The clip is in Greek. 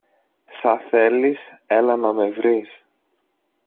Σα θέλεις, έλα να με βρεις.